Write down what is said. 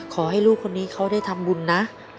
ขอให้ลูกคนนี้เขาได้ทำบุญนะ